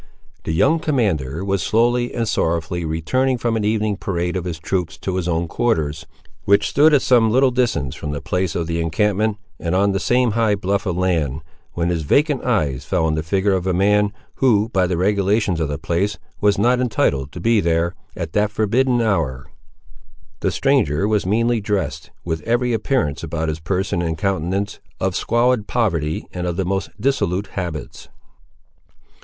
The young commander was slowly and sorrowfully returning from an evening parade of his troops, to his own quarters, which stood at some little distance from the place of the encampment, and on the same high bluff of land, when his vacant eyes fell on the figure of a man, who by the regulations of the place, was not entitled to be there, at that forbidden hour. The stranger was meanly dressed, with every appearance about his person and countenance, of squalid poverty and of the most dissolute habits.